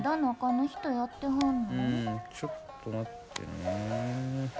うんちょっと待ってね。